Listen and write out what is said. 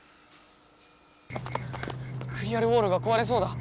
クリアルウォールがこわれそうだ。